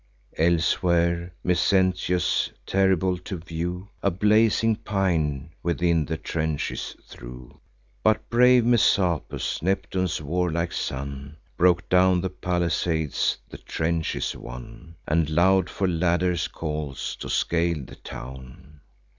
Elsewhere Mezentius, terrible to view, A blazing pine within the trenches threw. But brave Messapus, Neptune's warlike son, Broke down the palisades, the trenches won, And loud for ladders calls, to scale the town.